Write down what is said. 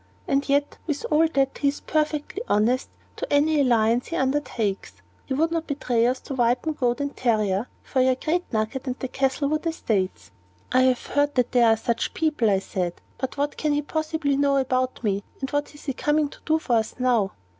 And yet, with all that, he is perfectly honest to any allegiance he undertakes. He would not betray us to Vypan, Goad, and Terryer for your great nugget and the Castlewood estates." "I have heard that there are such people," I said; "but what can he possibly know about me? And what is he coming to do for us now?"